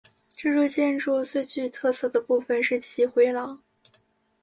这座建筑最具特色的部分是其回廊。